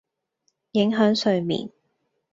影響睡眠